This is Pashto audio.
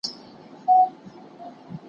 د تاریخي حقایقو د پېژندلو هڅه وکړئ.